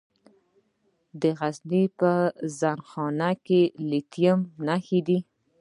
د غزني په زنه خان کې د لیتیم نښې شته.